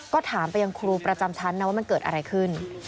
ก็ถามไปยังครูประจำชั้นนะว่ามันเกิดอะไรขึ้น